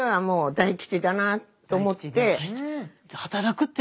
大吉。